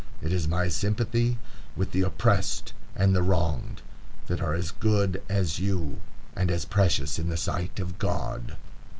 It is my sympathy with the oppressed and the wronged, that are as good as you, and as precious in the sight of God."